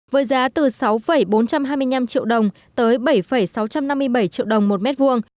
với giá từ sáu bốn trăm hai mươi năm triệu đồng tới bảy sáu trăm năm mươi bảy triệu đồng một mét vuông